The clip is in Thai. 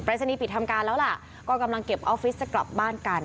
ศนีย์ปิดทำการแล้วล่ะก็กำลังเก็บออฟฟิศจะกลับบ้านกัน